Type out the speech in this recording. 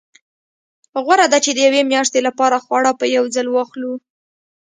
غوره ده چې د یوې میاشتې لپاره خواړه په یو ځل واخلو.